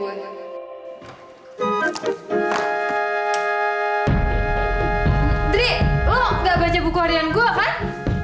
dri oh gak baca buku harian gue kan